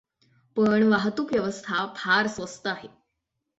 पण वाहतूक व्यवस्था फार स्वस्त आहे.